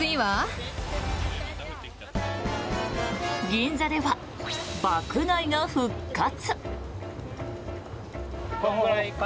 銀座では爆買いが復活。